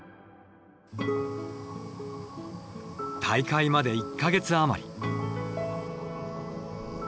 大会まで１か月余り。